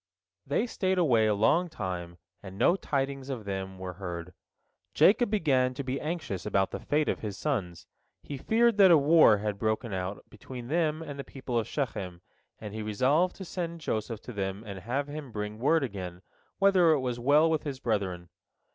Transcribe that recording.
They stayed away a long time, and no tidings of them were heard. Jacob began to be anxious about the fate of his sons. He feared that a war had broken out between them and the people of Shechem, and he resolved to send Joseph to them and have him bring word again, whether it was well with his brethren.